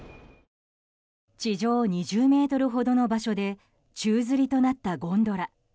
地上２０ｍほどの場所で宙づりとなったゴンドラ。